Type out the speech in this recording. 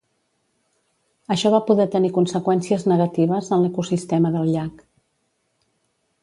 Això va poder tenir conseqüències negatives en l'ecosistema del llac.